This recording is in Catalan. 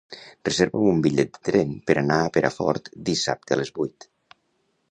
Reserva'm un bitllet de tren per anar a Perafort dissabte a les vuit.